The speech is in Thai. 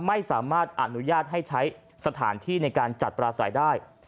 ไม่สามารถอนุญาตให้ใช้สถานที่ในการจัดปราศัยได้